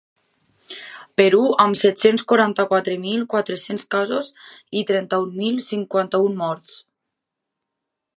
Perú, amb set-cents quaranta-quatre mil quatre-cents casos i trenta-un mil cinquanta-un morts.